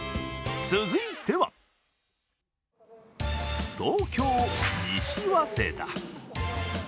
続いては東京・西早稲田。